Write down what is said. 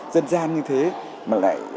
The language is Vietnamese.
dân gian như thế mà lại